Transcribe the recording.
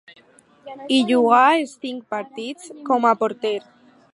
Hi jugà els cinc partits com a porter.